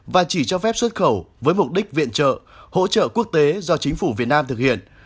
và chỉ cho phép xuất khẩu với mục đích viện trợ hỗ trợ quốc tế do chính phủ việt nam thực hiện